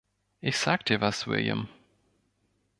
Ich sag dir was, William!